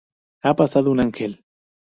Ha pasado un ángel